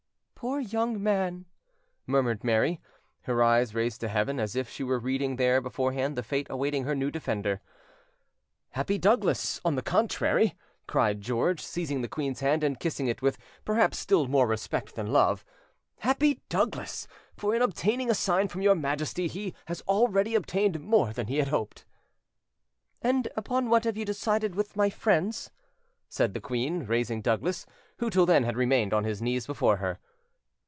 "Poor young man!" murmured Mary, her eyes raised to heaven, as if she were reading there beforehand the fate awaiting her new defender. "Happy Douglas, on the contrary," cried George, seizing the queen's hand and kissing it with perhaps still more respect than love, "happy Douglas! for in obtaining a sigh from your Majesty he has already obtained more than he hoped." "And upon what have you decided with my friends?" said the queen, raising Douglas, who till then had remained on his knees before her.